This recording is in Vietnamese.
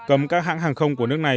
cấm các hãng hàng không của nước này